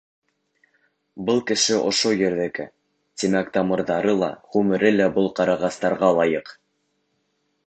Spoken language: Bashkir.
Был кеше ошо ерҙеке, тимәк тамырҙары ла, ғүмере лә был ҡарағастарға лайыҡ.